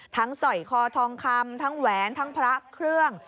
สอยคอทองคำทั้งแหวนทั้งพระเครื่อง